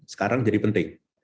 sekarang jadi penting